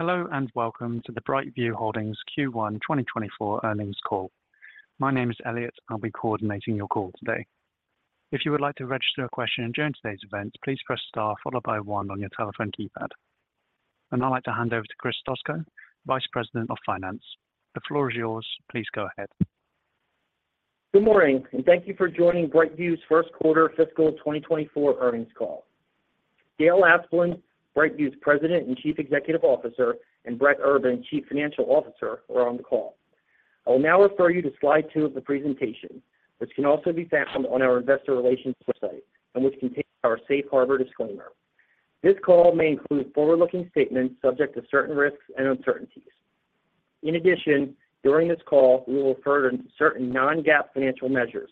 Hello, and welcome to the BrightView Holdings Q1 2024 earnings call. My name is Elliot. I'll be coordinating your call today. If you would like to register a question during today's event, please press star followed by one on your telephone keypad. I'd like to hand over to Chris Stoczko, Vice President of Finance. The floor is yours. Please go ahead. Good morning, and thank you for joining BrightView's first quarter fiscal 2024 earnings call. Dale Asplund, BrightView's President and Chief Executive Officer, and Brett Urban, Chief Financial Officer, are on the call. I will now refer you to slide 2 of the presentation, which can also be found on our investor relations website and which contains our safe harbor disclaimer. This call may include forward-looking statements subject to certain risks and uncertainties. In addition, during this call, we will refer to certain non-GAAP financial measures.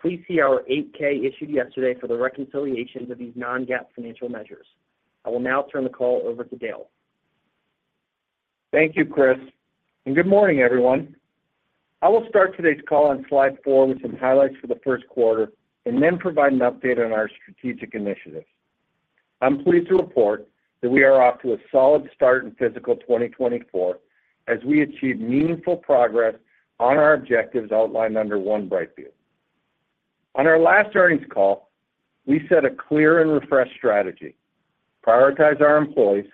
Please see our 8-K issued yesterday for the reconciliations of these non-GAAP financial measures. I will now turn the call over to Dale. Thank you, Chris, and good morning, everyone. I will start today's call on slide four with some highlights for the first quarter, and then provide an update on our strategic initiatives. I'm pleased to report that we are off to a solid start in fiscal 2024 as we achieve meaningful progress on our objectives outlined under One BrightView. On our last earnings call, we set a clear and refreshed strategy: prioritize our employees,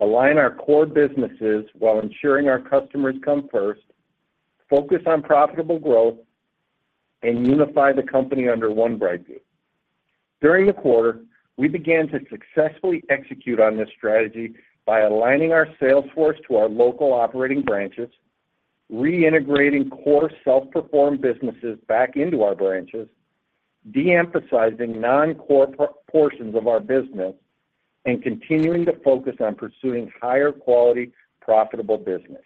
align our core businesses while ensuring our customers come first, focus on profitable growth, and unify the company under One BrightView. During the quarter, we began to successfully execute on this strategy by aligning our sales force to our local operating branches, reintegrating core self-performed businesses back into our branches, de-emphasizing non-core portions of our business, and continuing to focus on pursuing higher quality, profitable business.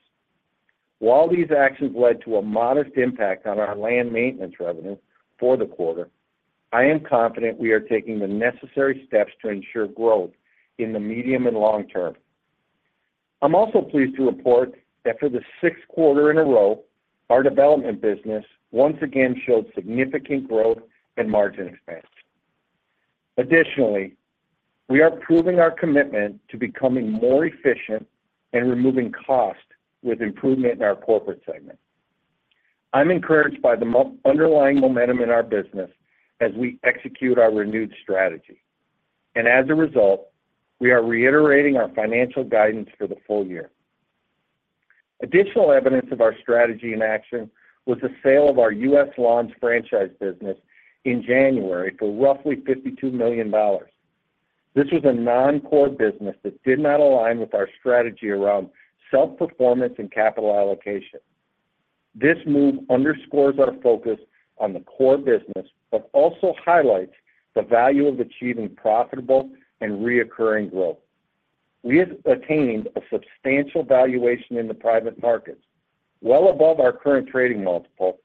While these actions led to a modest impact on our Land maintenance revenue for the quarter, I am confident we are taking the necessary steps to ensure growth in the medium and long term. I'm also pleased to report that for the sixth quarter in a row, our development business once again showed significant growth and margin expansion. Additionally, we are proving our commitment to becoming more efficient and removing cost with improvement in our Corporate Segment. I'm encouraged by the underlying momentum in our business as we execute our renewed strategy, and as a result, we are reiterating our financial guidance for the full year. Additional evidence of our strategy in action was the sale of our U.S. Lawns franchise business in January for roughly $52 million. This was a non-core business that did not align with our strategy around self-performance and capital allocation. This move underscores our focus on the core business, but also highlights the value of achieving profitable and recurring growth. We have attained a substantial valuation in the private markets, well above our current trading multiple,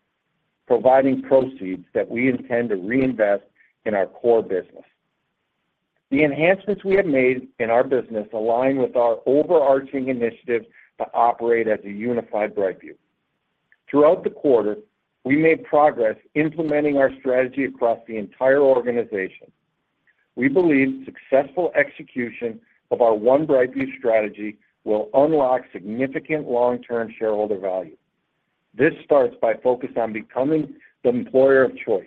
providing proceeds that we intend to reinvest in our core business. The enhancements we have made in our business align with our overarching initiative to operate as a unified BrightView. Throughout the quarter, we made progress implementing our strategy across the entire organization. We believe successful execution of our One BrightView strategy will unlock significant long-term shareholder value. This starts by focusing on becoming the employer of choice,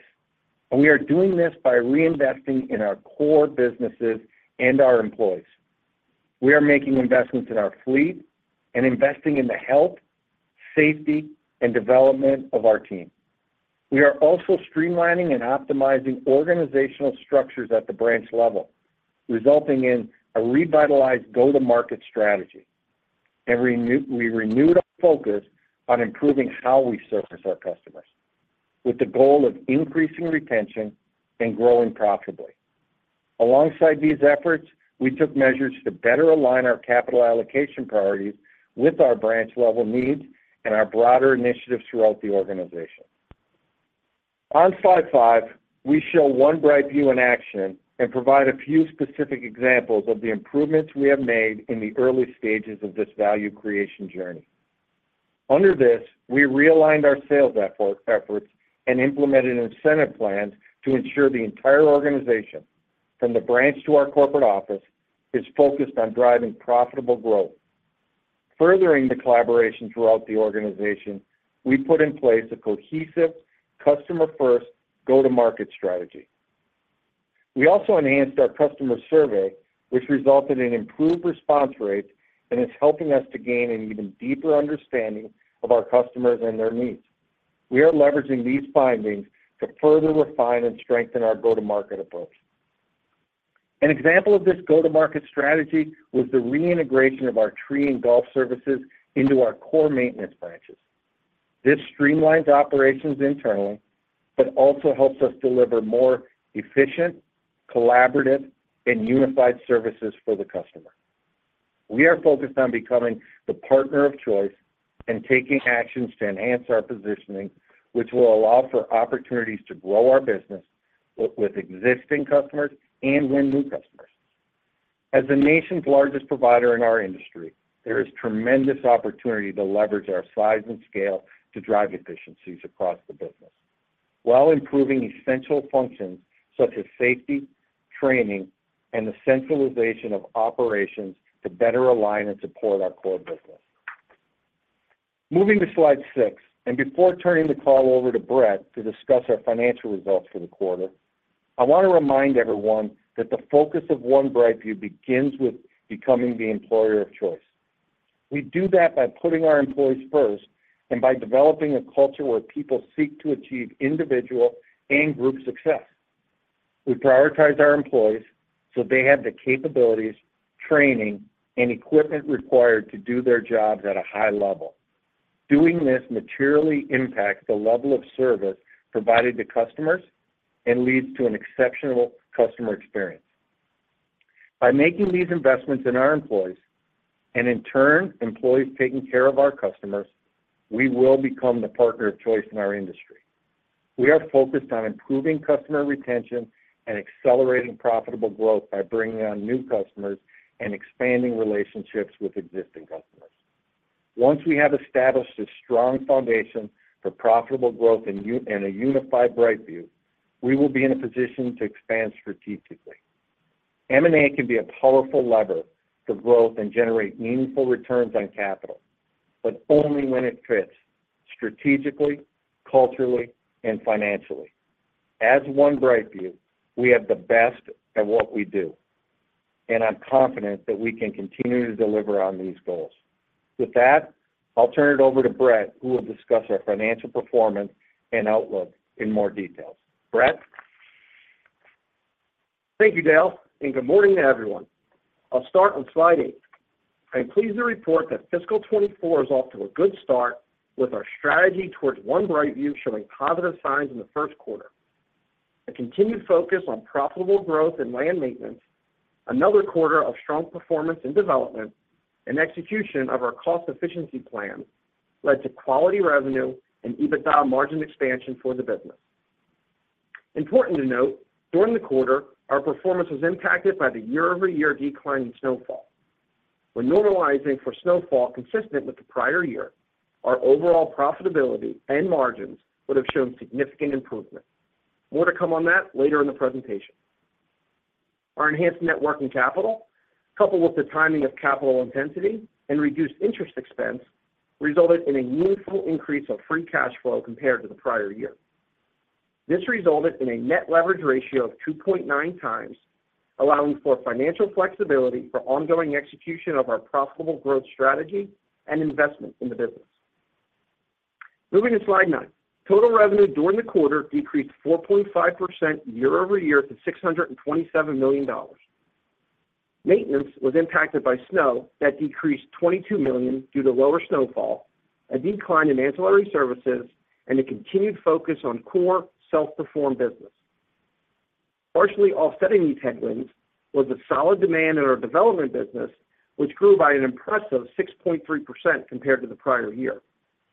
and we are doing this by reinvesting in our core businesses and our employees. We are making investments in our fleet and investing in the health, safety, and development of our team. We are also streamlining and optimizing organizational structures at the branch level, resulting in a revitalized go-to-market strategy. And we renewed our focus on improving how we service our customers, with the goal of increasing retention and growing profitably. Alongside these efforts, we took measures to better align our capital allocation priorities with our branch-level needs and our broader initiatives throughout the organization. On slide five, we show One BrightView in action and provide a few specific examples of the improvements we have made in the early stages of this value creation journey. Under this, we realigned our sales efforts and implemented incentive plans to ensure the entire organization, from the branch to our Corporate Office, is focused on driving profitable growth. Furthering the collaboration throughout the organization, we put in place a cohesive, customer-first, go-to-market strategy. We also enhanced our customer survey, which resulted in improved response rates and is helping us to gain an even deeper understanding of our customers and their needs. We are leveraging these findings to further refine and strengthen our go-to-market approach. An example of this go-to-market strategy was the reintegration of our tree and golf services into our core maintenance branches. This streamlines operations internally, but also helps us deliver more efficient, collaborative, and unified services for the customer. We are focused on becoming the partner of choice and taking actions to enhance our positioning, which will allow for opportunities to grow our business with existing customers and win new customers. As the nation's largest provider in our industry, there is tremendous opportunity to leverage our size and scale to drive efficiencies across the business. While improving essential functions such as safety, training, and the centralization of operations to better align and support our core business. Moving to slide six, and before turning the call over to Brett to discuss our financial results for the quarter, I want to remind everyone that the focus of One BrightView begins with becoming the employer of choice. We do that by putting our employees first and by developing a culture where people seek to achieve individual and group success. We prioritize our employees so they have the capabilities, training, and equipment required to do their jobs at a high level. Doing this materially impacts the level of service provided to customers and leads to an exceptional customer experience. By making these investments in our employees, and in turn, employees taking care of our customers, we will become the partner of choice in our industry. We are focused on improving customer retention and accelerating profitable growth by bringing on new customers and expanding relationships with existing customers. Once we have established a strong foundation for profitable growth and a unified BrightView, we will be in a position to expand strategically. M&A can be a powerful lever for growth and generate meaningful returns on capital, but only when it fits strategically, culturally, and financially. As One BrightView, we have the best at what we do, and I'm confident that we can continue to deliver on these goals. With that, I'll turn it over to Brett, who will discuss our financial performance and outlook in more detail. Brett? Thank you, Dale, and good morning, everyone. I'll start on slide eight I'm pleased to report that fiscal 2024 is off to a good start, with our strategy towards One BrightView showing positive signs in the first quarter. A continued focus on profitable growth and Land maintenance, another quarter of strong performance and development, and execution of our cost efficiency plan led to quality revenue and EBITDA margin expansion for the business. Important to note, during the quarter, our performance was impacted by the year-over-year decline in snowfall. When normalizing for snowfall consistent with the prior year, our overall profitability and margins would have shown significant improvement. More to come on that later in the presentation. Our enhanced net working capital, coupled with the timing of capital intensity and reduced interest expense, resulted in a meaningful increase of free cash flow compared to the prior year. This resulted in a net leverage ratio of 2.9x, allowing for financial flexibility for ongoing execution of our profitable growth strategy and investment in the business. Moving to slide nine. Total revenue during the quarter decreased 4.5% year-over-year to $627 million. Maintenance was impacted by snow that decreased $22 million due to lower snowfall, a decline in ancillary services, and a continued focus on core self-performed business. Partially offsetting these headwinds was the solid demand in our development business, which grew by an impressive 6.3% compared to the prior year,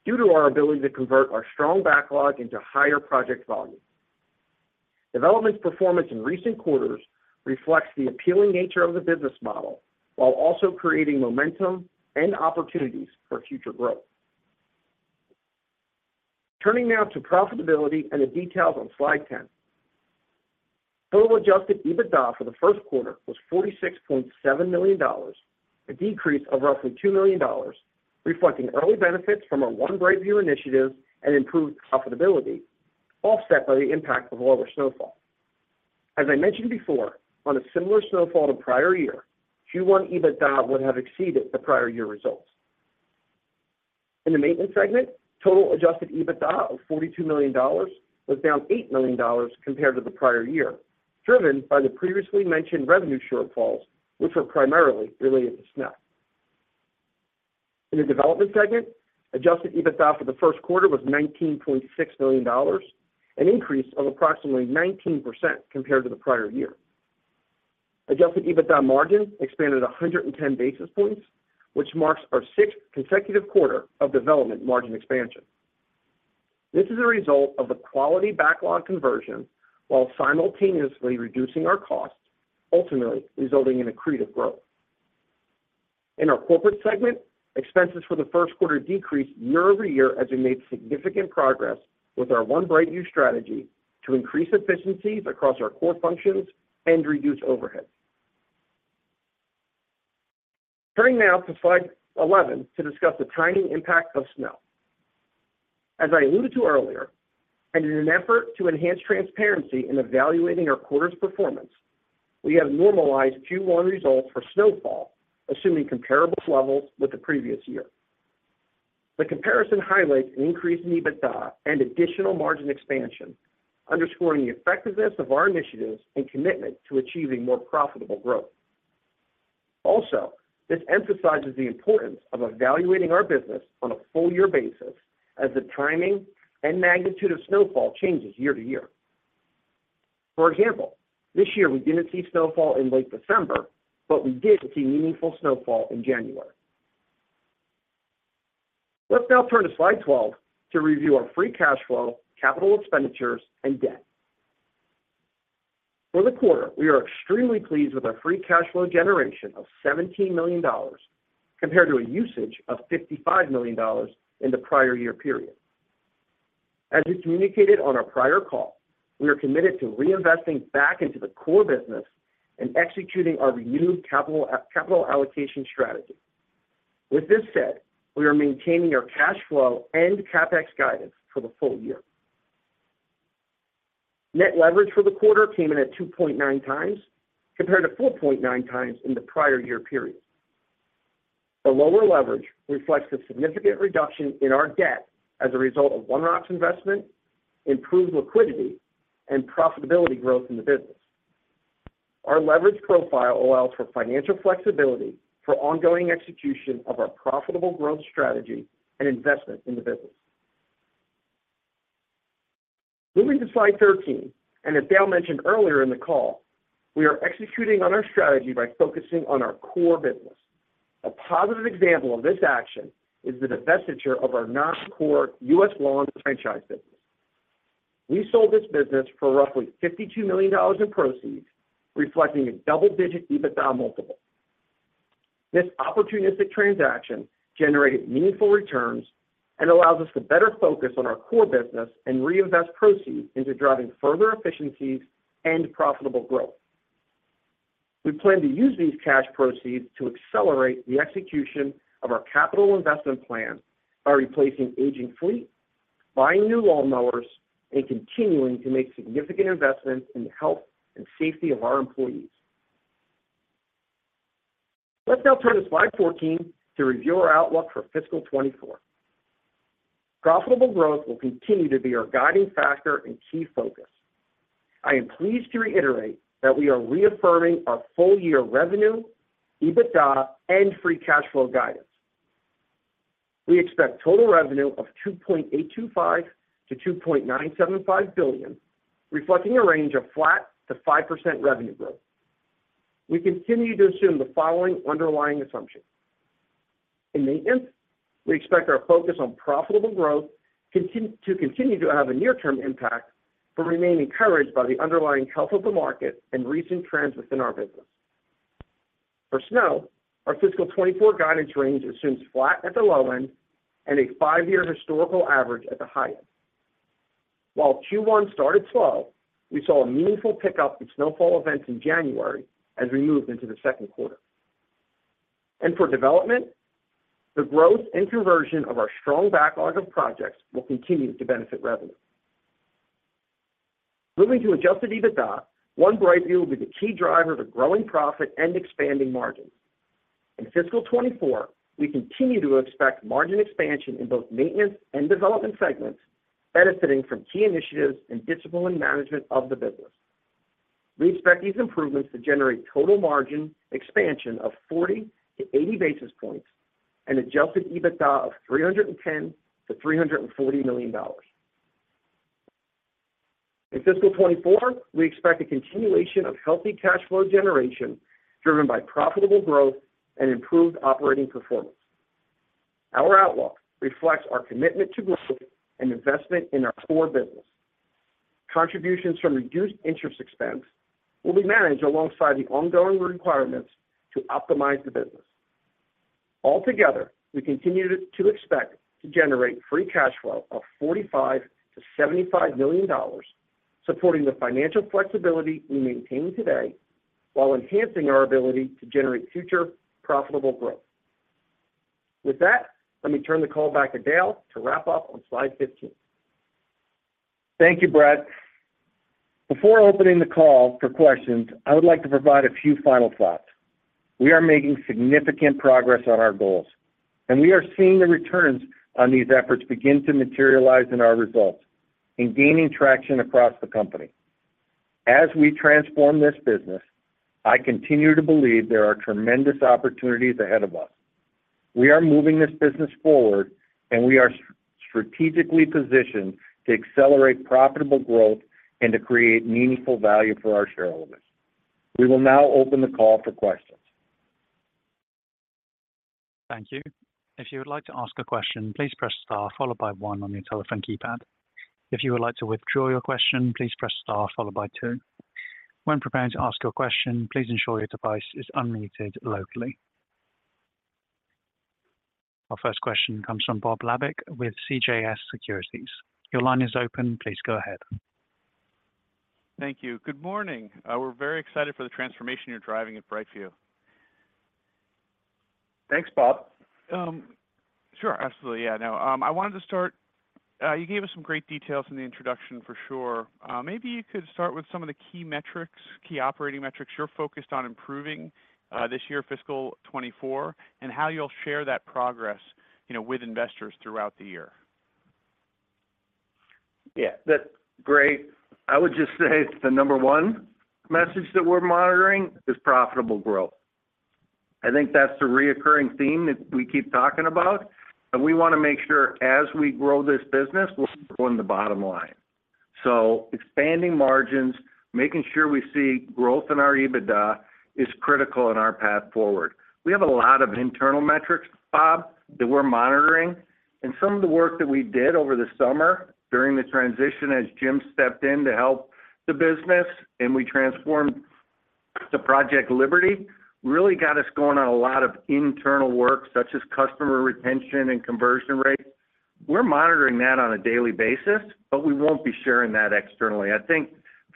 due to our ability to convert our strong backlog into higher project volume. Development's performance in recent quarters reflects the appealing nature of the business model, while also creating momentum and opportunities for future growth. Turning now to profitability and the details on slide 10. Total adjusted EBITDA for the first quarter was $46.7 million, a decrease of roughly $2 million, reflecting early benefits from our One BrightView initiative and improved profitability, offset by the impact of lower snowfall. As I mentioned before, on a similar snowfall to prior year, Q1 EBITDA would have exceeded the prior year results. In the maintenance segment, total adjusted EBITDA of $42 million was down $8 million compared to the prior year, driven by the previously mentioned revenue shortfalls, which were primarily related to snow. In the development segment, adjusted EBITDA for the first quarter was $19.6 million, an increase of approximately 19% compared to the prior year. Adjusted EBITDA margin expanded 110 basis points, which marks our sixth consecutive quarter of development margin expansion. This is a result of the quality backlog conversion while simultaneously reducing our costs, ultimately resulting in accretive growth. In our Corporate Segment, expenses for the first quarter decreased year-over-year as we made significant progress with our One BrightView strategy to increase efficiencies across our core functions and reduce overhead. Turning now to slide 11 to discuss the timing impact of snow. As I alluded to earlier, and in an effort to enhance transparency in evaluating our quarter's performance, we have normalized Q1 results for snowfall, assuming comparable levels with the previous year. The comparison highlights an increase in EBITDA and additional margin expansion, underscoring the effectiveness of our initiatives and commitment to achieving more profitable growth. Also, this emphasizes the importance of evaluating our business on a full year basis as the timing and magnitude of snowfall changes year to year. For example, this year we didn't see snowfall in late December, but we did see meaningful snowfall in January. Let's now turn to slide 12 to review our free cash flow, capital expenditures, and debt. For the quarter, we are extremely pleased with our free cash flow generation of $17 million, compared to a usage of $55 million in the prior year period. As we communicated on our prior call, we are committed to reinvesting back into the core business and executing our renewed capital, capital allocation strategy. With this said, we are maintaining our cash flow and CapEx guidance for the full year. Net leverage for the quarter came in at 2.9x, compared to 4.9x in the prior year period. The lower leverage reflects the significant reduction in our debt as a result of One Rock's investment, improved liquidity, and profitability growth in the business. Our leverage profile allows for financial flexibility for ongoing execution of our profitable growth strategy and investment in the business. Moving to slide 13, and as Dale mentioned earlier in the call, we are executing on our strategy by focusing on our core business. A positive example of this action is the divestiture of our non-core U.S. Lawns franchise business. We sold this business for roughly $52 million in proceeds, reflecting a double-digit EBITDA multiple. This opportunistic transaction generated meaningful returns and allows us to better focus on our core business and reinvest proceeds into driving further efficiencies and profitable growth. We plan to use these cash proceeds to accelerate the execution of our capital investment plan by replacing aging fleet, buying new lawnmowers, and continuing to make significant investments in the health and safety of our employees. Let's now turn to slide 14 to review our outlook for fiscal 2024. Profitable growth will continue to be our guiding factor and key focus. I am pleased to reiterate that we are reaffirming our full-year revenue, EBITDA, and free cash flow guidance. We expect total revenue of $2.825 billion-$2.975 billion, reflecting a range of flat to 5% revenue growth. We continue to assume the following underlying assumptions. In maintenance, we expect our focus on profitable growth to continue to have a near-term impact, but remain encouraged by the underlying health of the market and recent trends within our business. For snow, our fiscal 2024 guidance range assumes flat at the low end and a 5-year historical average at the high end. While Q1 started slow, we saw a meaningful pickup in snowfall events in January as we moved into the second quarter. For development, the growth and conversion of our strong backlog of projects will continue to benefit revenue. Moving to Adjusted EBITDA, One BrightView will be the key driver of a growing profit and expanding margins. In fiscal 2024, we continue to expect margin expansion in both maintenance and development segments, benefiting from key initiatives and disciplined management of the business. We expect these improvements to generate total margin expansion of 40-80 basis points and Adjusted EBITDA of $310 million-$340 million. In fiscal 2024, we expect a continuation of healthy cash flow generation, driven by profitable growth and improved operating performance. Our outlook reflects our commitment to growth and investment in our core business. Contributions from reduced interest expense will be managed alongside the ongoing requirements to optimize the business. Altogether, we continue to expect to generate free cash flow of $45 million-$75 million, supporting the financial flexibility we maintain today, while enhancing our ability to generate future profitable growth. With that, let me turn the call back to Dale to wrap up on slide 15. Thank you, Brett. Before opening the call for questions, I would like to provide a few final thoughts. We are making significant progress on our goals, and we are seeing the returns on these efforts begin to materialize in our results, and gaining traction across the company. As we transform this business, I continue to believe there are tremendous opportunities ahead of us. We are moving this business forward, and we are strategically positioned to accelerate profitable growth and to create meaningful value for our shareholders. We will now open the call for questions. Thank you. If you would like to ask a question, please press star followed by one on your telephone keypad. If you would like to withdraw your question, please press star followed by two. When preparing to ask your question, please ensure your device is unmuted locally. Our first question comes from Bob Labick with CJS Securities. Your line is open. Please go ahead. Thank you. Good morning. We're very excited for the transformation you're driving at BrightView. Thanks, Bob. Sure. Absolutely. Yeah, no, I wanted to start. You gave us some great details in the introduction for sure. Maybe you could start with some of the key metrics, key operating metrics you're focused on improving, this year, fiscal 2024, and how you'll share that progress, you know, with investors throughout the year. Yeah, that's great. I would just say the number one message that we're monitoring is profitable growth. I think that's the recurring theme that we keep talking about, and we want to make sure as we grow this business, we're growing the bottom line. So expanding margins, making sure we see growth in our EBITDA, is critical in our path forward. We have a lot of internal metrics, Bob, that we're monitoring... and some of the work that we did over the summer during the transition, as Jim stepped in to help the business, and we transformed the Project Liberty, really got us going on a lot of internal work, such as customer retention and conversion rates. We're monitoring that on a daily basis, but we won't be sharing that externally. I think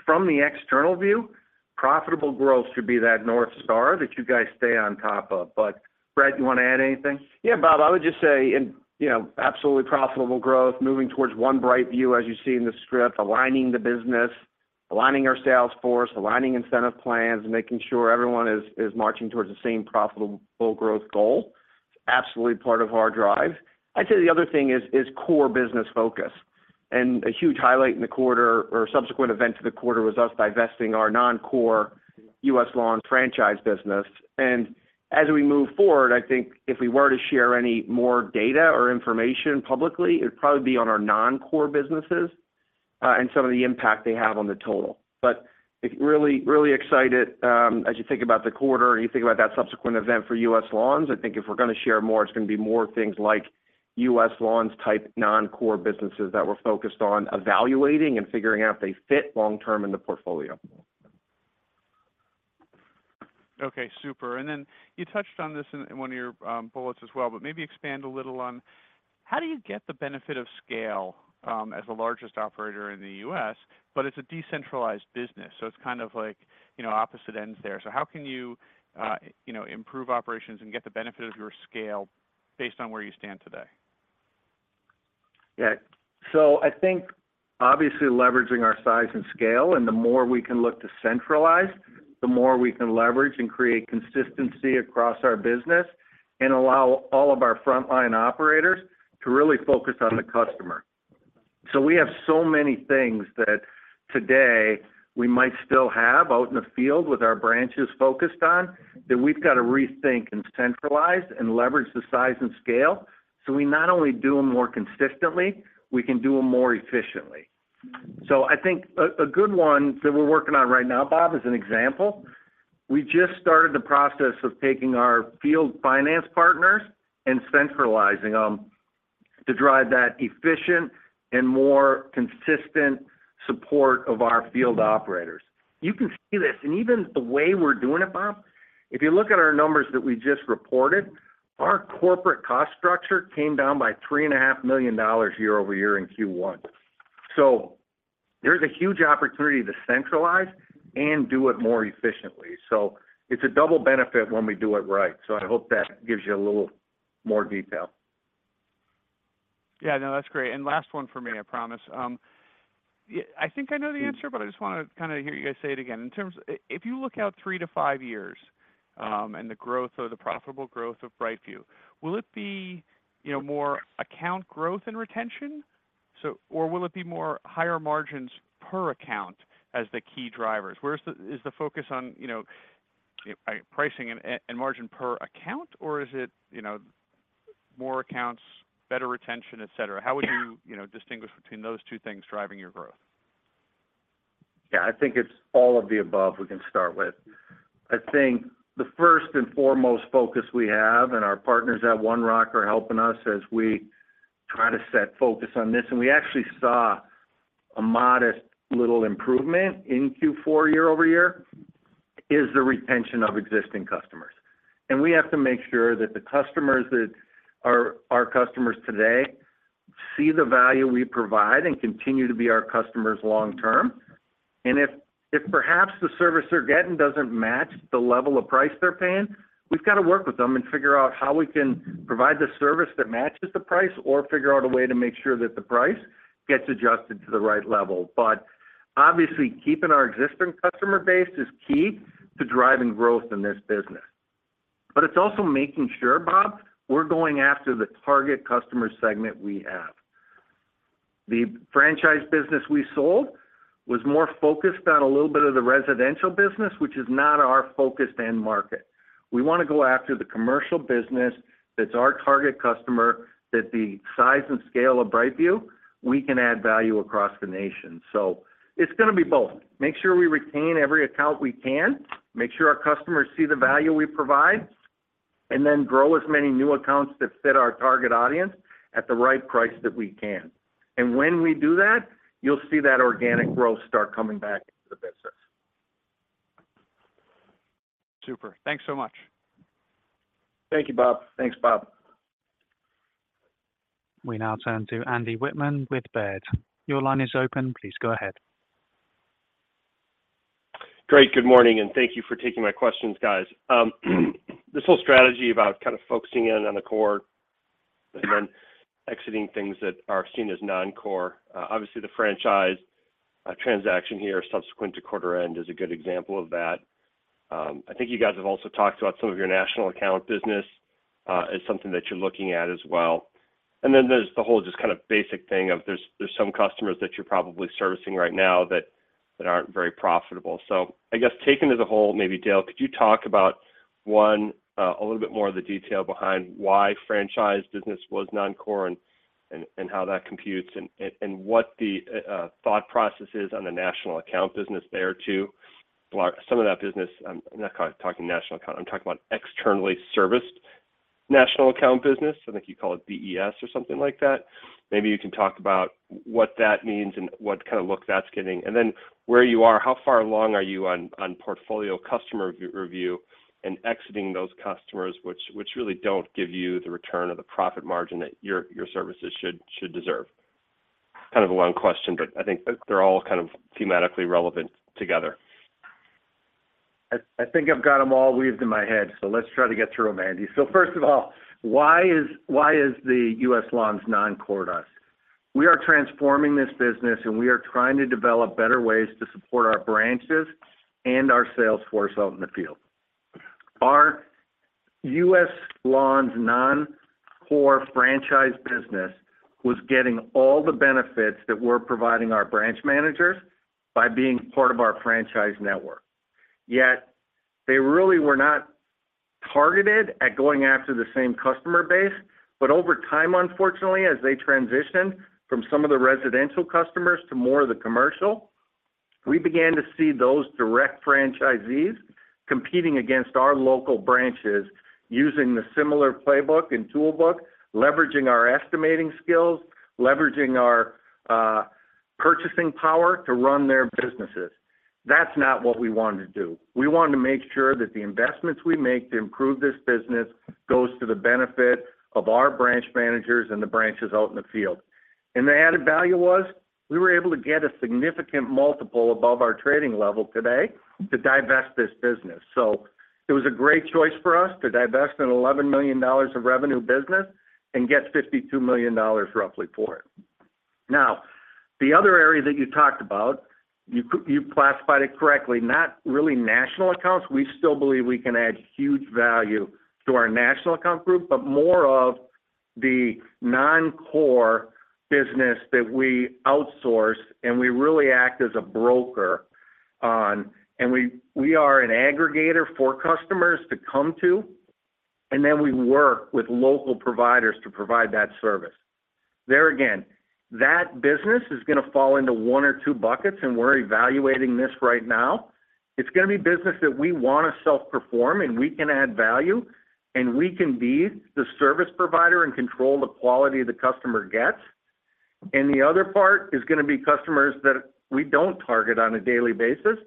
from the external view, profitable growth should be that North Star that you guys stay on top of. But Brett, you want to add anything? Yeah, Bob, I would just say, and, you know, absolutely profitable growth, moving towards One BrightView, as you see in the script, aligning the business, aligning our sales force, aligning incentive plans, and making sure everyone is, is marching towards the same profitable growth goal, is absolutely part of our drive. I'd say the other thing is, is core business focus. A huge highlight in the quarter or a subsequent event to the quarter, was us divesting our non-core U.S. Lawns franchise business. As we move forward, I think if we were to share any more data or information publicly, it would probably be on our non-core businesses, and some of the impact they have on the total. But really, really excited, as you think about the quarter, and you think about that subsequent event for U.S. Lawns, I think if we're going to share more, it's going to be more things like U.S. Lawns type non-core businesses that we're focused on evaluating and figuring out if they fit long term in the portfolio. Okay, super. And then you touched on this in one of your bullets as well, but maybe expand a little on how do you get the benefit of scale as the largest operator in the U.S. but it's a decentralized business, so it's kind of like, you know, opposite ends there. So how can you, you know, improve operations and get the benefit of your scale based on where you stand today? Yeah. So I think obviously leveraging our size and scale, and the more we can look to centralize, the more we can leverage and create consistency across our business and allow all of our frontline operators to really focus on the customer. So we have so many things that today we might still have out in the field with our branches focused on, that we've got to rethink and centralize and leverage the size and scale. So we not only do them more consistently, we can do them more efficiently. So I think a good one that we're working on right now, Bob, as an example, we just started the process of taking our field finance partners and centralizing them to drive that efficient and more consistent support of our field operators. You can see this, and even the way we're doing it, Bob, if you look at our numbers that we just reported, our corporate cost structure came down by $3.5 million year-over-year in Q1. So there's a huge opportunity to centralize and do it more efficiently. So it's a double benefit when we do it right. So I hope that gives you a little more detail. Yeah, no, that's great. And last one for me, I promise. Yeah, I think I know the answer, but I just want to kind of hear you guys say it again. In terms—if you look out three to five years, and the growth or the profitable growth of BrightView, will it be, you know, more account growth and retention? So—or will it be more higher margins per account as the key drivers? Where is the—is the focus on, you know, pricing and, and margin per account, or is it, you know, more accounts, better retention, et cetera? How would you, you know, distinguish between those two things driving your growth? Yeah, I think it's all of the above, we can start with. I think the first and foremost focus we have, and our partners at One Rock are helping us as we try to set focus on this, and we actually saw a modest little improvement in Q4 year-over-year, is the retention of existing customers. And we have to make sure that the customers that are our customers today see the value we provide and continue to be our customers long term. And if, if perhaps the service they're getting doesn't match the level of price they're paying, we've got to work with them and figure out how we can provide the service that matches the price or figure out a way to make sure that the price gets adjusted to the right level. But obviously, keeping our existing customer base is key to driving growth in this business. But it's also making sure, Bob, we're going after the target customer segment we have. The franchise business we sold was more focused on a little bit of the residential business, which is not our focus and market. We want to go after the commercial business, that's our target customer, that the size and scale of BrightView, we can add value across the nation. So it's going to be both. Make sure we retain every account we can, make sure our customers see the value we provide, and then grow as many new accounts that fit our target audience at the right price that we can. And when we do that, you'll see that organic growth start coming back into the business. Super. Thanks so much. Thank you, Bob. Thanks, Bob. We now turn to Andy Wittmann with Baird. Your line is open. Please go ahead. Great, good morning, and thank you for taking my questions, guys. This whole strategy about kind of focusing in on the core and then exiting things that are seen as non-core, obviously, the franchise transaction here, subsequent to quarter end is a good example of that. I think you guys have also talked about some of your national account business, as something that you're looking at as well. And then there's the whole just kind of basic thing of there's some customers that you're probably servicing right now that aren't very profitable. So I guess taken as a whole, maybe, Dale, could you talk about, one, a little bit more of the detail behind why franchise business was non-core and how that computes, and what the thought process is on the national account business there, too? Well, some of that business, I'm not talking national account, I'm talking about externally serviced national account business. I think you call it BES or something like that. Maybe you can talk about what that means and what kind of look that's getting, and then where you are, how far along are you on portfolio customer re-review and exiting those customers which really don't give you the return or the profit margin that your services should deserve? Kind of a long question, but I think they're all kind of thematically relevant together. I, I think I've got them all weaved in my head, so let's try to get through them, Andy. So first of all, why is, why is the U.S. Lawns non-core to us? We are transforming this business, and we are trying to develop better ways to support our branches and our sales force out in the field. Our U.S. Lawns non-core franchise business was getting all the benefits that we're providing our branch managers by being part of our franchise network. Yet, they really were not targeted at going after the same customer base. But over time, unfortunately, as they transitioned from some of the residential customers to more of the commercial, we began to see those direct franchisees competing against our local branches using the similar playbook and toolbook, leveraging our estimating skills, leveraging our purchasing power to run their businesses. That's not what we wanted to do. We wanted to make sure that the investments we make to improve this business goes to the benefit of our branch managers and the branches out in the field. And the added value was, we were able to get a significant multiple above our trading level today to divest this business. So it was a great choice for us to divest an $11 million of revenue business and get $52 million, roughly, for it. Now, the other area that you talked about, you classified it correctly, not really national accounts. We still believe we can add huge value to our national account group, but more of the non-core business that we outsource, and we really act as a broker on... We, we are an aggregator for customers to come to, and then we work with local providers to provide that service. There again, that business is gonna fall into one or two buckets, and we're evaluating this right now. It's gonna be business that we wanna self-perform, and we can add value, and we can be the service provider and control the quality the customer gets. The other part is gonna be customers that we don't target on a daily basis,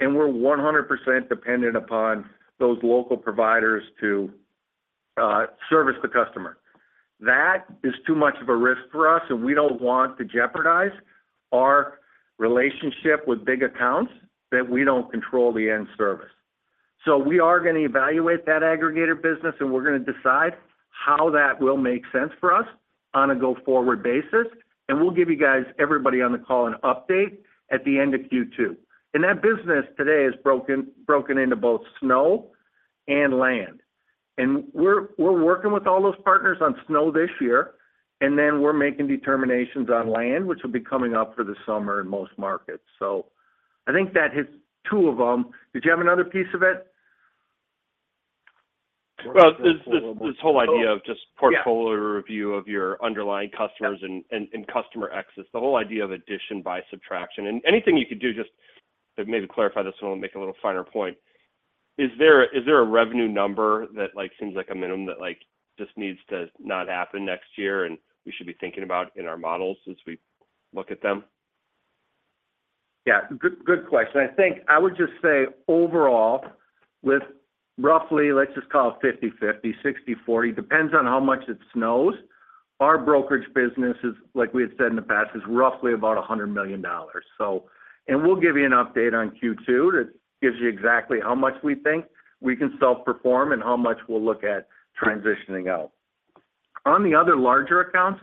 and we're 100% dependent upon those local providers to service the customer. That is too much of a risk for us, and we don't want to jeopardize our relationship with big accounts that we don't control the end service. So we are gonna evaluate that aggregator business, and we're gonna decide how that will make sense for us on a go-forward basis, and we'll give you guys, everybody on the call, an update at the end of Q2. That business today is broken into both snow and Land. We're working with all those partners on snow this year, and then we're making determinations on Land, which will be coming up for the summer in most markets. So I think that hits two of them. Did you have another piece of it? Well, this whole idea of just- Yeah... portfolio review of your underlying customers- Yeah customer access, the whole idea of addition by subtraction. And anything you could do just to maybe clarify this one and make a little finer point. Is there a revenue number that, like, seems like a minimum that, like, just needs to not happen next year, and we should be thinking about in our models as we look at them? Yeah, good, good question. I think I would just say overall, with roughly, let's just call it 50/50, 60/40, depends on how much it snows. Our brokerage business is, like we had said in the past, is roughly about $100 million. So, and we'll give you an update on Q2 that gives you exactly how much we think we can self-perform and how much we'll look at transitioning out. On the other larger accounts,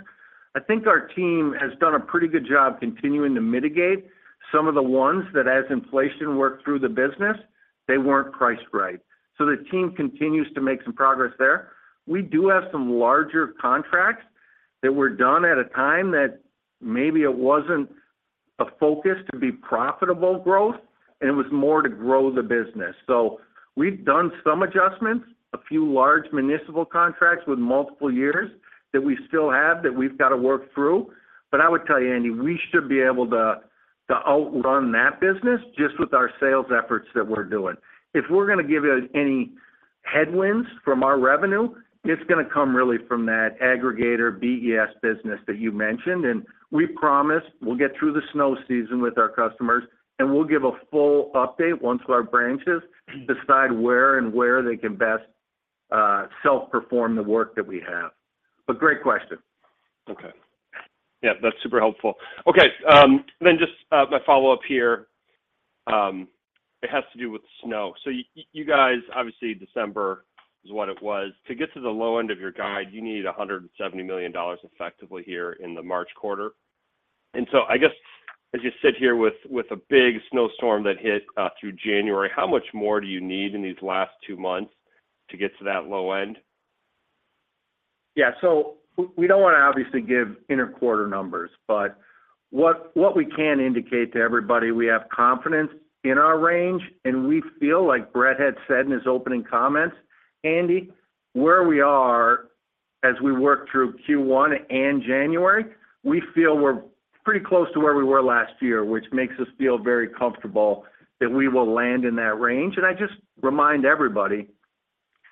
I think our team has done a pretty good job continuing to mitigate some of the ones that, as inflation worked through the business, they weren't priced right. So the team continues to make some progress there. We do have some larger contracts that were done at a time that maybe it wasn't a focus to be profitable growth, and it was more to grow the business. So we've done some adjustments, a few large municipal contracts with multiple years that we still have, that we've got to work through. But I would tell you, Andy, we should be able to outrun that business just with our sales efforts that we're doing. If we're gonna give you any headwinds from our revenue, it's gonna come really from that aggregator BES business that you mentioned, and we promise we'll get through the snow season with our customers, and we'll give a full update once our branches decide where they can best self-perform the work that we have. But great question. Okay. Yeah, that's super helpful. Okay, then just, my follow-up here, it has to do with snow. So you guys, obviously, December is what it was. To get to the low end of your guide, you needed $170 million effectively here in the March quarter. And so I guess, as you sit here with, with a big snowstorm that hit, through January, how much more do you need in these last two months to get to that low end? Yeah. So we don't want to obviously give inter-quarter numbers, but what we can indicate to everybody, we have confidence in our range, and we feel like Brett had said in his opening comments, Andy, where we are-... as we work through Q1 and January, we feel we're pretty close to where we were last year, which makes us feel very comfortable that we will Land in that range. And I just remind everybody,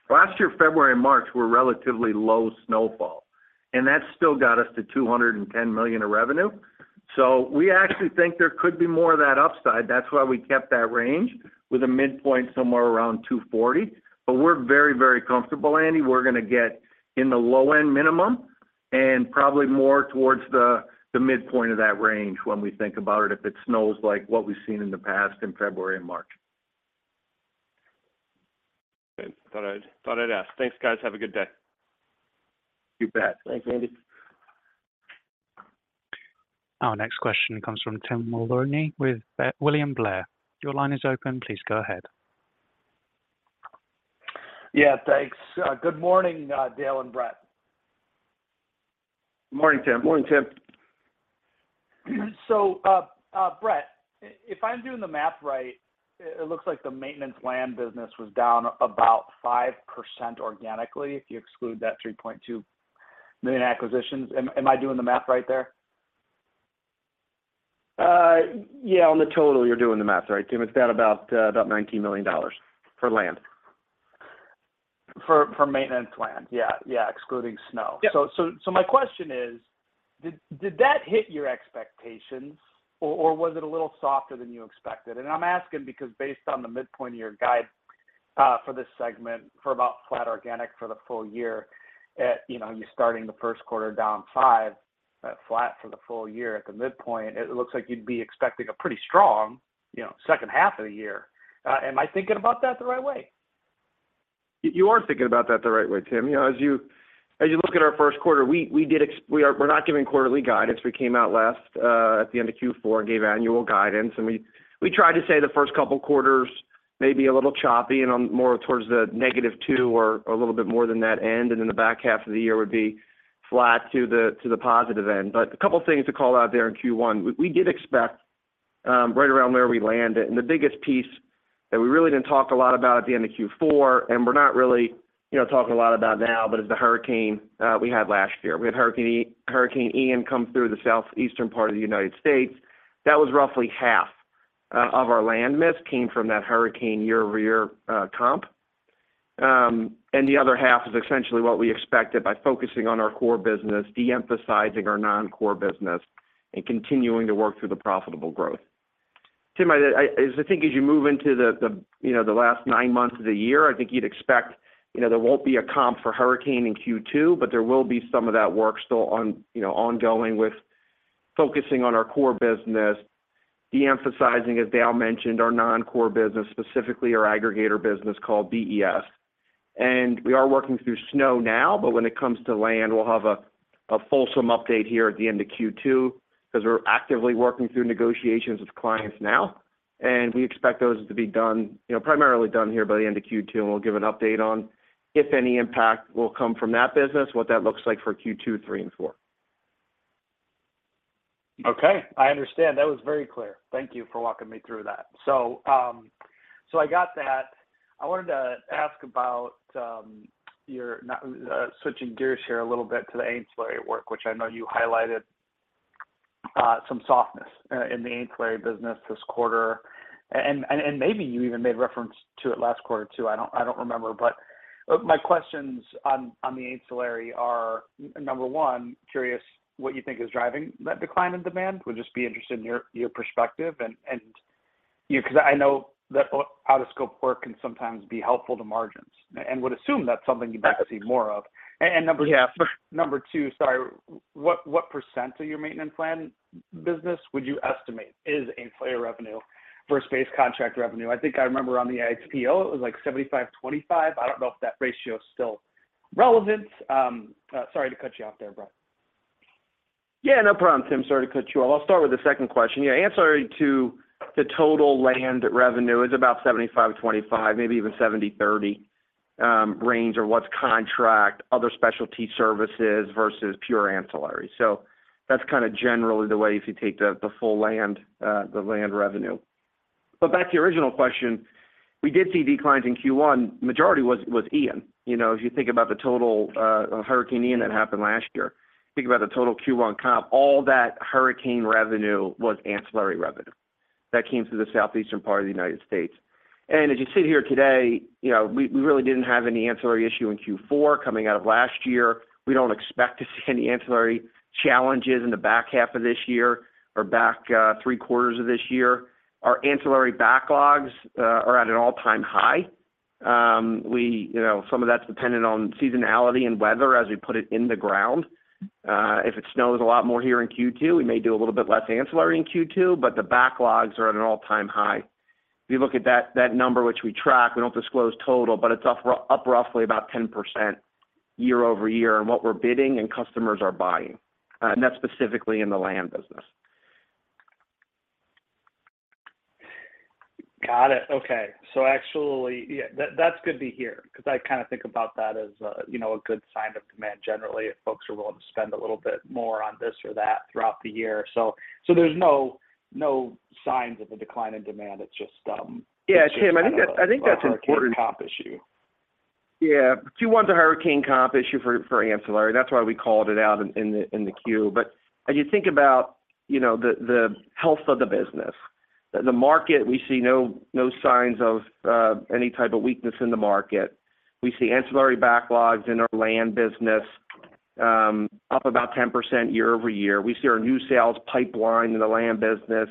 last year, February and March were relatively low snowfall, and that still got us to $210 million of revenue. So we actually think there could be more of that upside. That's why we kept that range with a midpoint somewhere around $240 million. But we're very, very comfortable, Andy. We're gonna get in the low-end minimum and probably more towards the midpoint of that range when we think about it, if it snows like what we've seen in the past in February and March. Good. Thought I'd ask. Thanks, guys. Have a good day. You bet. Thanks, Andy. Our next question comes from Tim Mulrooney with William Blair. Your line is open. Please go ahead. Yeah, thanks. Good morning, Dale and Brett. Morning, Tim. Morning, Tim. Brett, if I'm doing the math right, it looks like the maintenance Land business was down about 5% organically, if you exclude that $3.2 million acquisitions. Am I doing the math right there? Yeah, on the total, you're doing the math right, Tim. It's down about $19 million for Land. For maintenance Land. Yeah, yeah, excluding snow. Yep. So my question is: did that hit your expectations, or was it a little softer than you expected? And I'm asking because based on the midpoint of your guide for this segment, for about flat organic for the full year, you know, you're starting the first quarter down 5, at flat for the full year at the midpoint, it looks like you'd be expecting a pretty strong, you know, second half of the year. Am I thinking about that the right way? You are thinking about that the right way, Tim. You know, as you, as you look at our first quarter, we, we did. We're not giving quarterly guidance. We came out last at the end of Q4, and gave annual guidance, and we, we tried to say the first couple quarters may be a little choppy and on more towards the negative 2 or a little bit more than that end, and then the back half of the year would be flat to the, to the positive end. But a couple of things to call out there in Q1. We, we did expect right around where we Landed, and the biggest piece that we really didn't talk a lot about at the end of Q4, and we're not really, you know, talking a lot about now, but is the hurricane we had last year. We had Hurricane Ian come through the southeastern part of the United States. That was roughly half of our Land miss came from that hurricane year-over-year comp. The other half is essentially what we expected by focusing on our core business, de-emphasizing our non-core business, and continuing to work through the profitable growth. Tim, I as I think as you move into the last nine months of the year, I think you'd expect, you know, there won't be a comp for hurricane in Q2, but there will be some of that work still ongoing with focusing on our core business, de-emphasizing, as Dale mentioned, our non-core business, specifically our aggregator business called BES. We are working through snow now, but when it comes to Land, we'll have a fulsome update here at the end of Q2, 'cause we're actively working through negotiations with clients now, and we expect those to be done, you know, primarily done here by the end of Q2, and we'll give an update on if any impact will come from that business, what that looks like for Q2, three, and four. Okay, I understand. That was very clear. Thank you for walking me through that. So, so I got that. I wanted to ask about, your... switching gears here a little bit to the ancillary work, which I know you highlighted, some softness, in the ancillary business this quarter. And maybe you even made reference to it last quarter, too. I don't remember. But, my questions on, the ancillary are, number one, curious what you think is driving that decline in demand? Would just be interested in your perspective and 'cause I know that, out-of-scope work can sometimes be helpful to margins, and would assume that's something you'd like to see more of. Yes. Number two, sorry, what percent of your maintenance plan business would you estimate is ancillary revenue versus base contract revenue? I think I remember on the IPO, it was like 75-25. I don't know if that ratio is still relevant. Sorry to cut you off there, Brett. Yeah, no problem, Tim. Sorry to cut you off. I'll start with the second question. Yeah, ancillary to the total Land revenue is about 75-25, maybe even 70/30, range of what's contract, other specialty services versus pure ancillary. So that's kind of generally the way if you take the full Land revenue. But back to your original question, we did see declines in Q1. Majority was Ian. You know, if you think about the total Hurricane Ian that happened last year, think about the total Q1 comp, all that hurricane revenue was ancillary revenue that came through the southeastern part of the United States. And as you sit here today, you know, we really didn't have any ancillary issue in Q4 coming out of last year. We don't expect to see any ancillary challenges in the back half of this year or back three quarters of this year. Our ancillary backlogs are at an all-time high. We, you know, some of that's dependent on seasonality and weather as we put it in the ground. If it snows a lot more here in Q2, we may do a little bit less ancillary in Q2, but the backlogs are at an all-time high. If you look at that, that number, which we track, we don't disclose total, but it's roughly about 10% year-over-year in what we're bidding and customers are buying, and that's specifically in the Land business. Got it. Okay. So actually, yeah, that, that's good to hear, 'cause I kind of think about that as a, you know, a good sign of demand. Generally, if folks are willing to spend a little bit more on this or that throughout the year. So, there's no signs of a decline in demand. It's just, Yeah, Tim, I think that's an important- Hurricane comp issue. Yeah. Q1's a hurricane comp issue for ancillary. That's why we called it out in the queue. But as you think about, you know, the health of the business, the market, we see no signs of any type of weakness in the market. We see ancillary backlogs in our Land business up about 10% year-over-year. We see our new sales pipeline in the Land business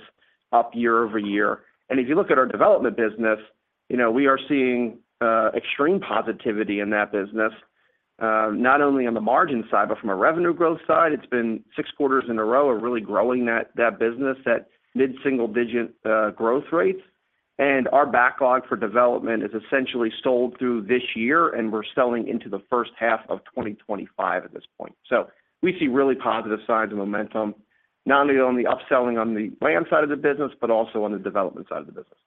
up year-over-year. And if you look at our development business, you know, we are seeing extreme positivity in that business not only on the margin side, but from a revenue growth side. It's been six quarters in a row of really growing that business at mid-single digit growth rates. Our backlog for development is essentially sold through this year, and we're selling into the first half of 2025 at this point. We see really positive signs of momentum, not only on the upselling on the Land side of the business, but also on the development side of the business.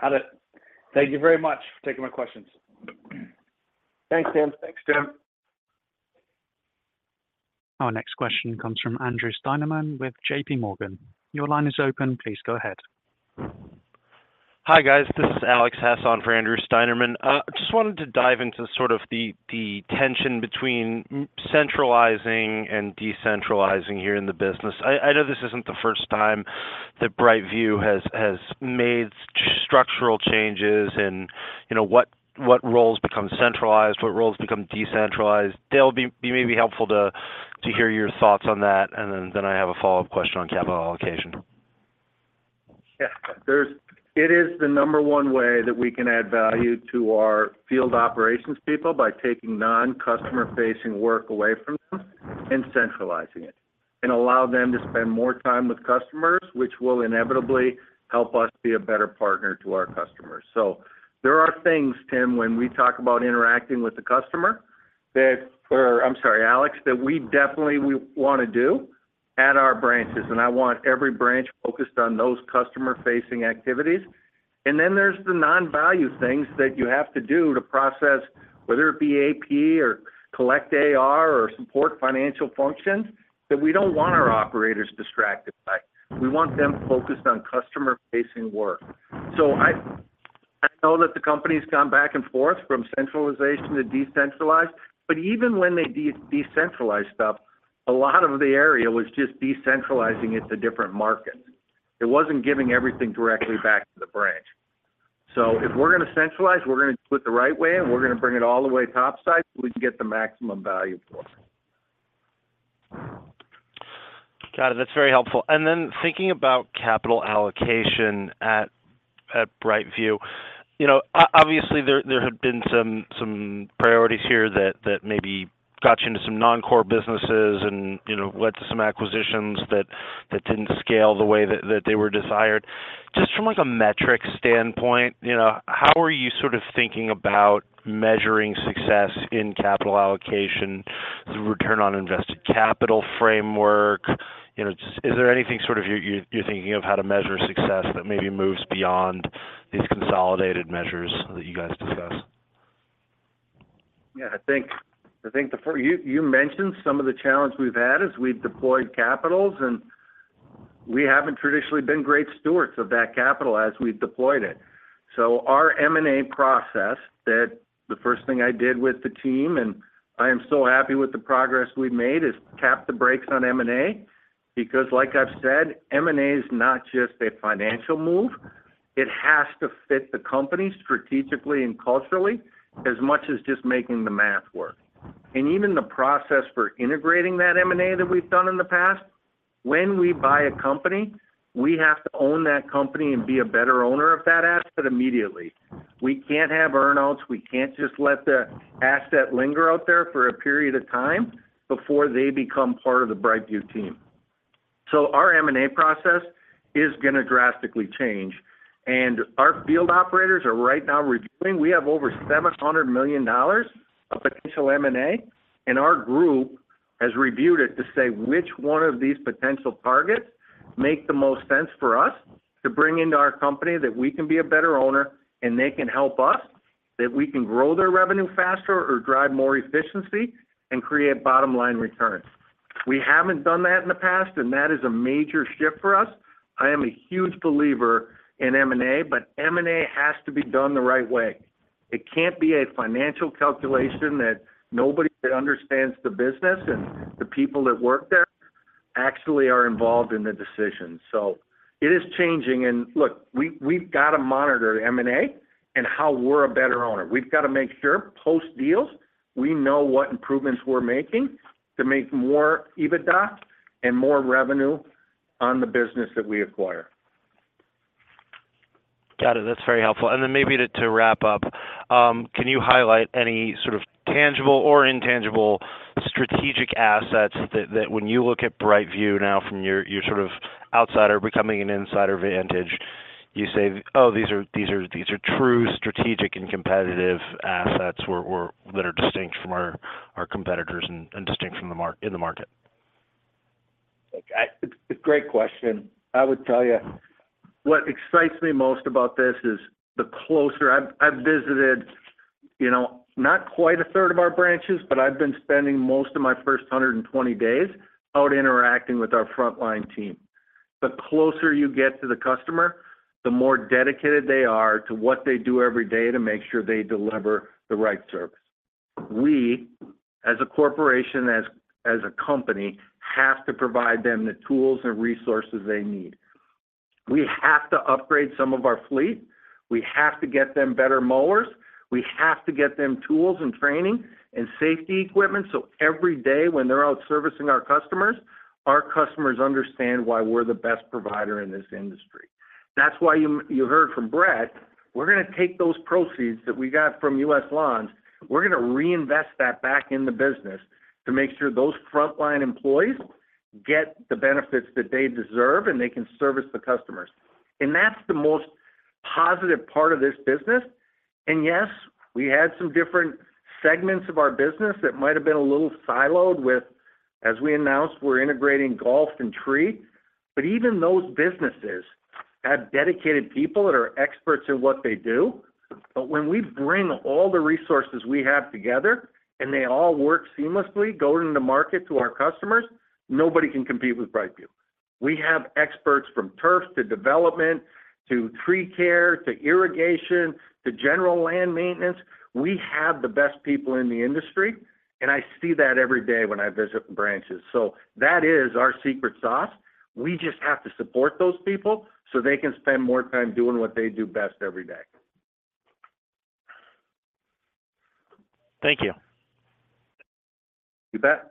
Got it. Thank you very much for taking my questions. Thanks, Tim. Thanks, Tim. Our next question comes from Andrew Steinerman with JP Morgan. Your line is open. Please go ahead. Hi, guys. This is Alex Hess for Andrew Steinerman. Just wanted to dive into sort of the tension between centralizing and decentralizing here in the business. I know this isn't the first time that BrightView has made structural changes and, you know, what roles become centralized, what roles become decentralized. That'll be maybe helpful to hear your thoughts on that, and then I have a follow-up question on capital allocation. Yeah, it is the number one way that we can add value to our field operations people by taking non-customer-facing work away from them and centralizing it, and allow them to spend more time with customers, which will inevitably help us be a better partner to our customers. So there are things, Tim, when we talk about interacting with the customer, that... or I'm sorry, Alex, that we definitely wanna do at our branches, and I want every branch focused on those customer-facing activities. Then there's the non-value things that you have to do to process, whether it be AP or collect AR or support financial functions, that we don't want our operators distracted by. We want them focused on customer-facing work. So, I know that the company's gone back and forth from centralization to decentralized, but even when they decentralize stuff, a lot of the era was just decentralizing it to different markets. It wasn't giving everything directly back to the branch. So if we're gonna centralize, we're gonna do it the right way, and we're gonna bring it all the way top side, so we can get the maximum value for it. Got it. That's very helpful. And then thinking about capital allocation at BrightView, you know, obviously, there have been some priorities here that maybe got you into some non-core businesses and, you know, led to some acquisitions that didn't scale the way that they were desired. Just from, like, a metric standpoint, you know, how are you sort of thinking about measuring success in capital allocation, the return on invested capital framework? You know, just is there anything sort of you're thinking of how to measure success that maybe moves beyond these consolidated measures that you guys discuss? Yeah, I think you mentioned some of the challenges we've had as we've deployed capital, and we haven't traditionally been great stewards of that capital as we've deployed it. So our M&A process, that the first thing I did with the team, and I am so happy with the progress we've made, is tap the brakes on M&A, because like I've said, M&A is not just a financial move. It has to fit the company strategically and culturally as much as just making the math work. And even the process for integrating that M&A that we've done in the past, when we buy a company, we have to own that company and be a better owner of that asset immediately. We can't have earnouts. We can't just let the asset linger out there for a period of time before they become part of the BrightView team. So our M&A process is gonna drastically change, and our field operators are right now reviewing. We have over $700 million of potential M&A, and our group has reviewed it to say which one of these potential targets make the most sense for us to bring into our company, that we can be a better owner, and they can help us, that we can grow their revenue faster or drive more efficiency and create bottom-line returns. We haven't done that in the past, and that is a major shift for us. I am a huge believer in M&A, but M&A has to be done the right way. It can't be a financial calculation that nobody that understands the business and the people that work there actually are involved in the decision. So it is changing, and look, we, we've got to monitor M&A and how we're a better owner. We've got to make sure post-deal, we know what improvements we're making to make more EBITDA and more revenue on the business that we acquire. Got it. That's very helpful. And then maybe to wrap up, can you highlight any sort of tangible or intangible strategic assets that when you look at BrightView now from your sort of outsider becoming an insider vantage, you say, "Oh, these are true strategic and competitive assets that are distinct from our competitors and distinct from the mar- in the market? Look, it's a great question. I would tell you, what excites me most about this is the closer I've visited... you know, not quite a third of our branches, but I've been spending most of my first 120 days out interacting with our frontline team. The closer you get to the customer, the more dedicated they are to what they do every day to make sure they deliver the right service. We, as a corporation, as a company, have to provide them the tools and resources they need. We have to upgrade some of our fleet. We have to get them better mowers. We have to get them tools and training and safety equipment, so every day when they're out servicing our customers, our customers understand why we're the best provider in this industry. That's why you heard from Brett, we're gonna take those proceeds that we got from U.S. Lawns, we're gonna reinvest that back in the business to make sure those frontline employees get the benefits that they deserve, and they can service the customers. That's the most positive part of this business. Yes, we had some different segments of our business that might have been a little siloed with, as we announced, we're integrating golf and tree, but even those businesses have dedicated people that are experts in what they do. But when we bring all the resources we have together, and they all work seamlessly, go into the market to our customers, nobody can compete with BrightView. We have experts from turf to development to tree care, to irrigation, to general Land maintenance. We have the best people in the industry, and I see that every day when I visit the branches. That is our secret sauce. We just have to support those people so they can spend more time doing what they do best every day. Thank you. You bet.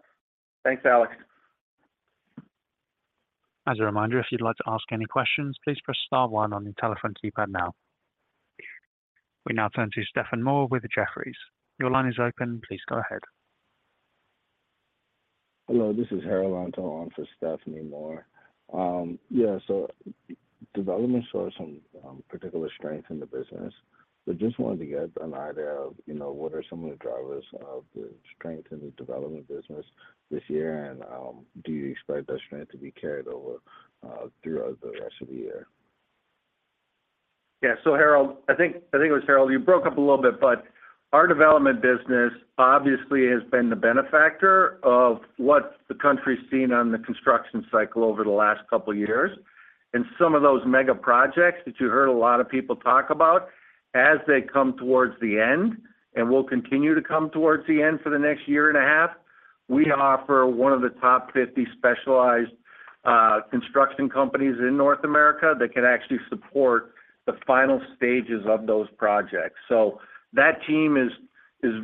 Thanks, Alex. As a reminder, if you'd like to ask any questions, please press star one on your telephone keypad now. We now turn to Stephanie Moore with Jefferies. Your line is open. Please go ahead. Hello, this is Harold Antor on for Stephanie Moore. Yeah, so development saw some particular strength in the business, but just wanted to get an idea of, you know, what are some of the drivers of the strength in the development business this year? And, do you expect that strength to be carried over throughout the rest of the year? Yeah. So Harold, I think, I think it was Harold, you broke up a little bit, but our development business obviously has been the benefactor of what the country's seen on the construction cycle over the last couple of years. And some of those mega projects that you heard a lot of people talk about, as they come towards the end, and will continue to come towards the end for the next year and a half, we offer one of the top 50 specialized construction companies in North America that can actually support the final stages of those projects. So that team is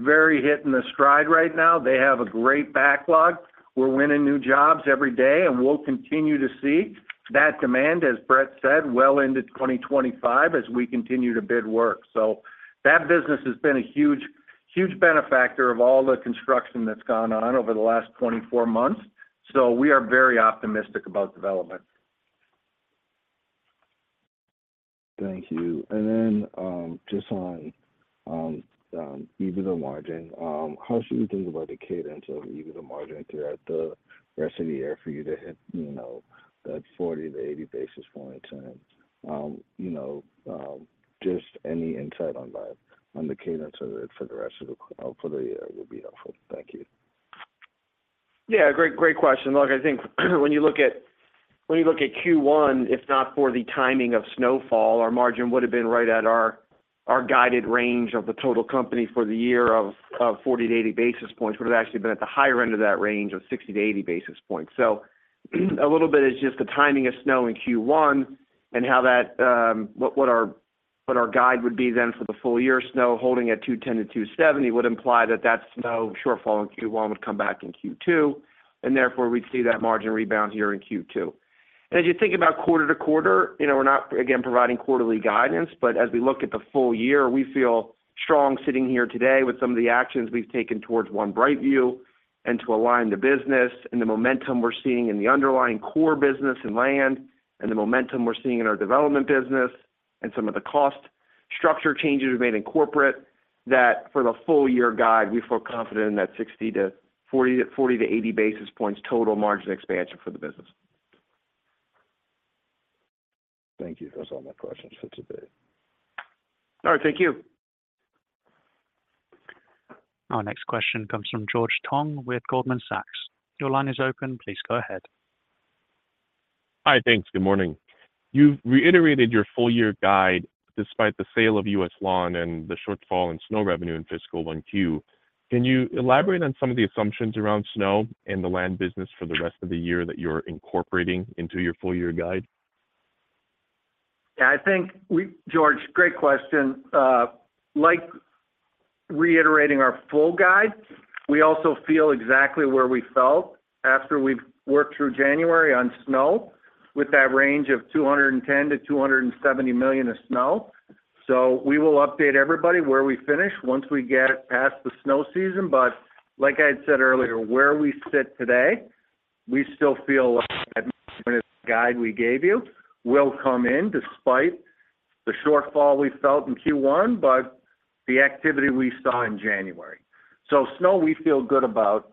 very hitting their stride right now. They have a great backlog. We're winning new jobs every day, and we'll continue to see that demand, as Brett said, well into 2025 as we continue to bid work. So that business has been a huge, huge benefactor of all the construction that's gone on over the last 24 months. So we are very optimistic about development. Thank you. Then, just on EBITDA margin, how should we think about the cadence of EBITDA margin throughout the rest of the year for you to hit, you know, that 40-80 basis point turn? You know, just any insight on that, on the cadence of it for the rest of the year would be helpful. Thank you. Yeah, great, great question. Look, I think, when you look at, when you look at Q1, if not for the timing of snowfall, our margin would have been right at our, our guided range of the total company for the year of 40-80 basis points. Would have actually been at the higher end of that range of 60-80 basis points. So a little bit is just the timing of snow in Q1 and how that, what our, what our guide would be then for the full year, snow holding at 210-270 would imply that that snow shortfall in Q1 would come back in Q2, and therefore we'd see that margin rebound here in Q2. As you think about quarter to quarter, you know, we're not, again, providing quarterly guidance, but as we look at the full year, we feel strong sitting here today with some of the actions we've taken towards One BrightView and to align the business and the momentum we're seeing in the underlying core business and Land, and the momentum we're seeing in our development business, and some of the cost structure changes we've made in corporate, that for the full year guide, we feel confident in that 40-80 basis points total margin expansion for the business. Thank you. That's all my questions for today. All right. Thank you. Our next question comes from George Tong with Goldman Sachs. Your line is open. Please go ahead. Hi. Thanks. Good morning. You've reiterated your full year guide despite the sale of U.S. Lawns and the shortfall in Snow revenue in fiscal 1Q. Can you elaborate on some of the assumptions around snow and the Land business for the rest of the year that you're incorporating into your full year guide? Yeah, I think we, George, great question. Like reiterating our full guide, we also feel exactly where we felt after we've worked through January on snow, with that range of $210 million-$270 million of snow. So we will update everybody where we finish once we get past the snow season. But like I had said earlier, where we sit today, we still feel like that guidance guide we gave you will come in despite the shortfall we felt in Q1, but the activity we saw in January. So snow, we feel good about.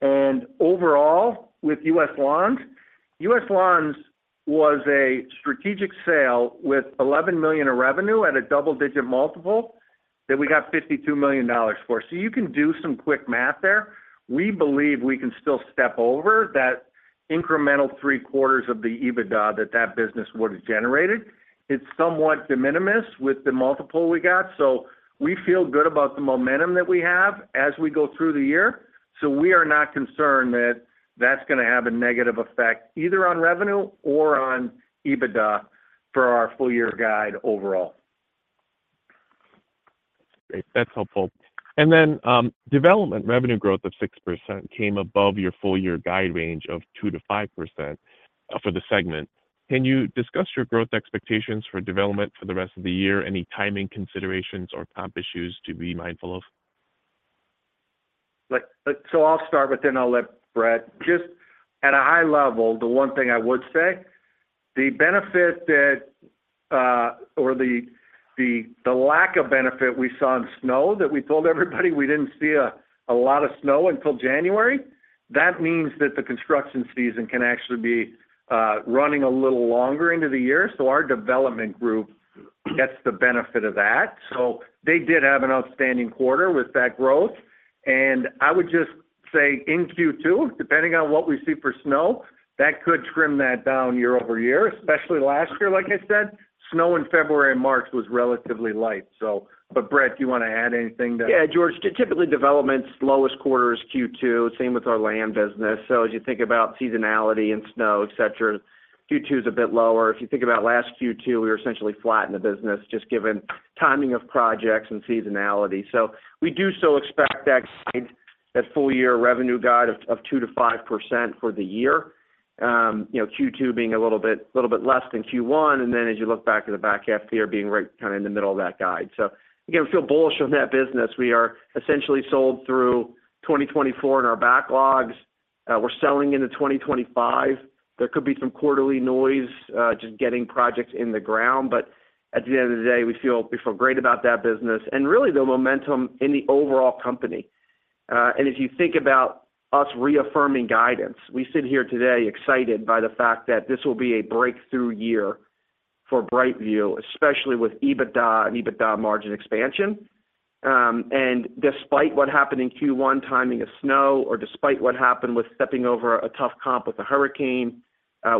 And overall, with U.S. Lawns, U.S. Lawns was a strategic sale with $11 million of revenue at a double-digit multiple that we got $52 million for. So you can do some quick math there. We believe we can still step over that incremental three-quarters of the EBITDA that that business would have generated. It's somewhat de minimis with the multiple we got, so we feel good about the momentum that we have as we go through the year. We are not concerned that that's gonna have a negative effect, either on revenue or on EBITDA for our full year guide overall. Great. That's helpful. And then, development revenue growth of 6% came above your full-year guide range of 2%-5% for the segment. Can you discuss your growth expectations for development for the rest of the year? Any timing considerations or comp issues to be mindful of? Like, so I'll start, but then I'll let Brett. Just at a high level, the one thing I would say, the benefit that, or the lack of benefit we saw in snow, that we told everybody we didn't see a lot of snow until January. That means that the construction season can actually be running a little longer into the year. So our development group gets the benefit of that. So they did have an outstanding quarter with that growth. And I would just say in Q2, depending on what we see for snow, that could trim that down year-over-year, especially last year, like I said, snow in February and March was relatively light, so But Brett, do you want to add anything to- Yeah, George, typically, development's lowest quarter is Q2, same with our Land business. So as you think about seasonality and snow, et cetera, Q2 is a bit lower. If you think about last Q2, we were essentially flat in the business, just given timing of projects and seasonality. So we do expect that full year revenue guide of 2%-5% for the year. You know, Q2 being a little bit less than Q1, and then as you look back at the back half of the year, being right kinda in the middle of that guide. So again, we feel bullish on that business. We are essentially sold through 2024 in our backlogs. We're selling into 2025. There could be some quarterly noise, just getting projects in the ground, but at the end of the day, we feel, we feel great about that business and really the momentum in the overall company. If you think about us reaffirming guidance, we sit here today excited by the fact that this will be a breakthrough year for BrightView, especially with EBITDA and EBITDA margin expansion. Despite what happened in Q1, timing of snow, or despite what happened with stepping over a tough comp with the hurricane,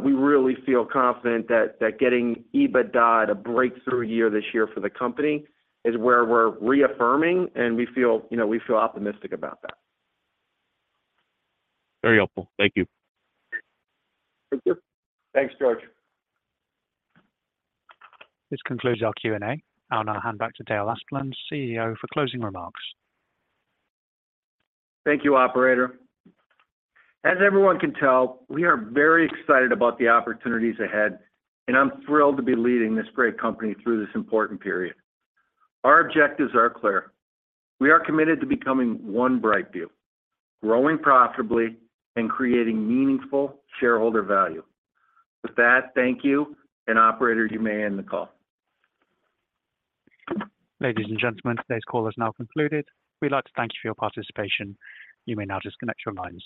we really feel confident that, that getting EBITDA at a breakthrough year this year for the company is where we're reaffirming, and we feel, you know, we feel optimistic about that. Very helpful. Thank you. Thank you. Thanks, George. This concludes our Q&A. I'll now hand back to Dale Asplund, CEO, for closing remarks. Thank you, operator. As everyone can tell, we are very excited about the opportunities ahead, and I'm thrilled to be leading this great company through this important period. Our objectives are clear. We are committed to becoming One BrightView, growing profitably and creating meaningful shareholder value. With that, thank you, and operator, you may end the call. Ladies and gentlemen, today's call is now concluded. We'd like to thank you for your participation. You may now disconnect your lines.